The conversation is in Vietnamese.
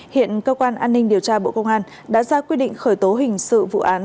hiện cơ quan an ninh điều tra bộ công an đã ra quyết định khởi tố hình sự vụ án